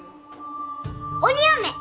「鬼嫁」！